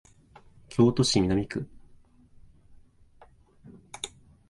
京都市南区